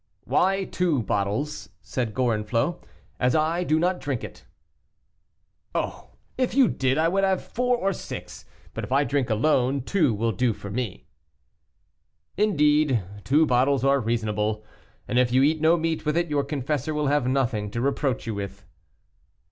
"Why two bottles," said Gorenflot, "as I do not drink it?" "Oh! if you did I would have four or six, but if I drink alone, two will do for me." "Indeed; two bottles are reasonable, and if you eat no meat with it, your confessor will have nothing to reproach you with."